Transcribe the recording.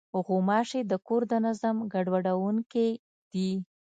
غوماشې د کور د نظم ګډوډوونکې دي.